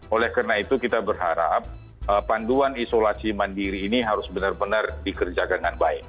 oleh karena itu kita berharap panduan isolasi mandiri ini harus benar benar dikerjakan dengan baik